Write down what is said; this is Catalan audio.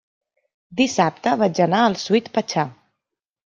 Dissabte vaig anar al Sweet Pachá.